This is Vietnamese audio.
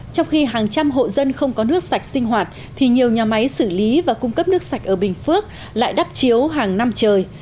trong khi hàng trăm hộ dân không có nước sạch sinh hoạt thì nhiều nhà máy xử lý và cung cấp nước sạch ở bình phước lại đắp chiếu hàng năm trời